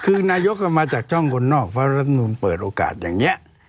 คือนายกก็มาจากจ้องคนนอกเพราะรัฐมนุนเปิดโอกาสอย่างนี้